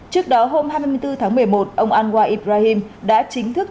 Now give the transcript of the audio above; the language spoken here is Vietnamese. trước đó hôm hai mươi bốn tháng một mươi một ông angwaii ibrahim đã chính thức